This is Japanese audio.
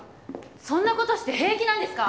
そんなことして平気なんですか！？